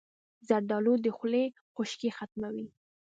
زردالو د خولې خشکي ختموي.